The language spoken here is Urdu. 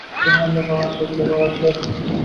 یہاں لغات اور لغات ہے۔